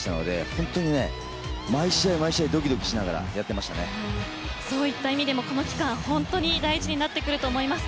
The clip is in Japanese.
本当に毎試合、毎試合ドキドキしながらそういった意味でもこの期間、本当に大事になってくると思います。